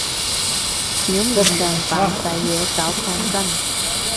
表面上扮晒嘢搞抗爭